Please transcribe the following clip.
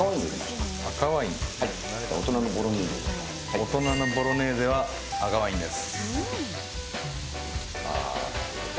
大人のボロネーゼは赤ワインです。